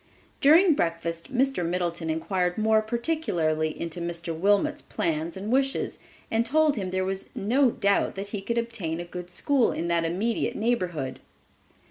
During breakfast Mr. Middleton inquired more particularly into Mr. Wilmot's plans and wishes, and told him there was no doubt that he could obtain a good school in that immediate neighborhood.